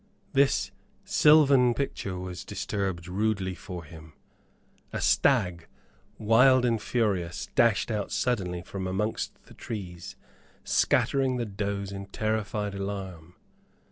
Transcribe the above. This sylvan picture was disturbed rudely for him. A stag, wild and furious, dashed out suddenly from amongst the trees, scattering the does in terrified alarm.